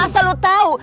asal lu tahu